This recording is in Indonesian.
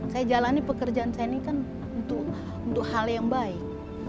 saya jalani pekerjaan saya ini kan untuk hal yang baik